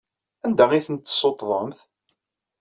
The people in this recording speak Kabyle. Anda ay tent-tessuṭṭḍemt?